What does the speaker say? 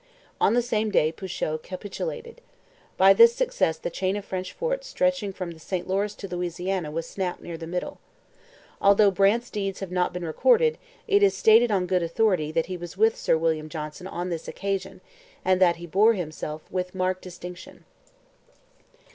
On the same day Pouchot capitulated. By this success the chain of French forts stretching from the St Lawrence to Louisiana was snapped near the middle. Although Brant's deeds have not been recorded, it is stated on good authority that he was with Sir William Johnson on this occasion and that he bore himself with marked distinction.